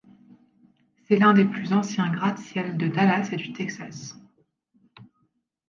C'est l'un des plus anciens gratte-ciel de Dallas et du Texas.